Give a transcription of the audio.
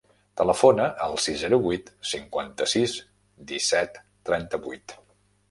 Telefona al sis, zero, vuit, cinquanta-sis, disset, trenta-vuit.